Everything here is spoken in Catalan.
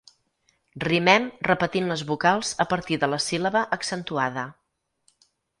Rimem repetint les vocals a partir de la síl·laba accentuada.